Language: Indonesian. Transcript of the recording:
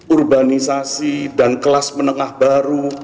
urbanisasi dan kelas menengah baru